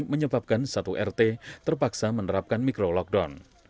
menyebabkan satu rt terpaksa menerapkan micro lockdown